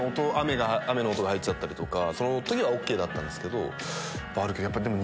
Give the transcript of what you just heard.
雨の音が入っちゃったりとかその時はＯＫだったんですけど。